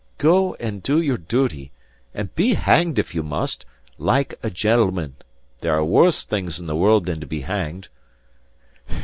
Go and do your duty; and be hanged, if you must, like a gentleman. There are worse things in the world than to be hanged."